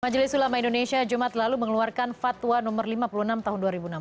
majelis ulama indonesia jumat lalu mengeluarkan fatwa no lima puluh enam tahun dua ribu enam belas